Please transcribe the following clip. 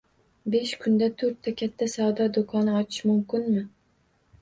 Besh kunda to‘rtta katta savdo do‘konni ochish mumkinmi?